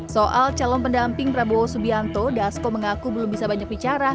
soal calon pendamping prabowo subianto dasko mengaku belum bisa banyak bicara